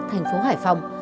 thành phố hải phòng